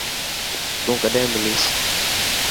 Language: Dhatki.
تون ڪڏين مليس.